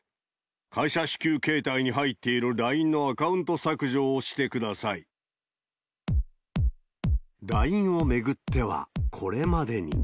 会社支給携帯に入っているＬＩＮＥのアカウント削除をしてくださラインを巡っては、これまでに。